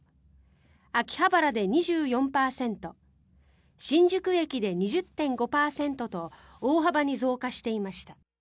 秋葉原で２４％新宿駅で２０．５％と大幅に増加していました。